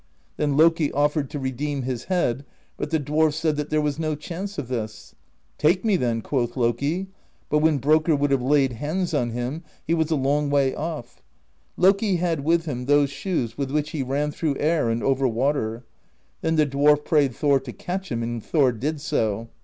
Then Loki off'ered to redeem his head, but the dwarf said that there was no chance of this. 'Take me, then,' quoth Loki; but when Brokkr would have laid hands on him, he was a long way off. Loki had with him those shoes with which he ran through air and over water. Then the dwarf prayed Thor to catch him, and Thor did so.